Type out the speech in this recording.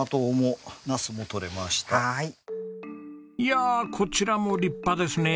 いやこちらも立派ですね。